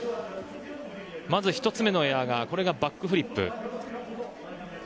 まず１つ目のエアがバックフリップ。